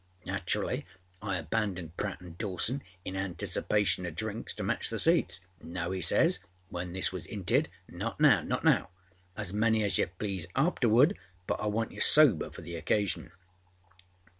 â Naturally I abandoned Pratt and Dawson in anticipation oâ drinks to match the seats. âNo,â he says, when this was âintedâânot now. Not now. As many as you please afterwards, but I want you sober for the occasion.